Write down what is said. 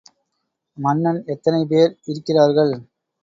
மன்னன் எத்தனை பேர் இருக்கிறார்கள்?